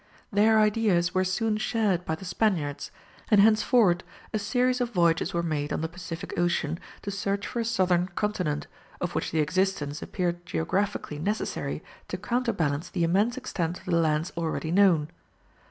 Their ideas were soon shared by the Spaniards, and henceforward a series of voyages were made on the Pacific Ocean, to search for a southern continent, of which the existence appeared geographically necessary to counterbalance the immense extent of the lands already known.